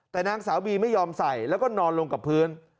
แต่นางสาวบีไม่ยอมใส่แล้วก็นอนลงกับพื้น